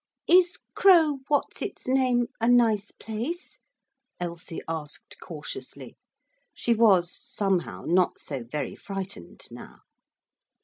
'Is Crow what's its name a nice place?' Elsie asked cautiously. She was, somehow, not so very frightened now.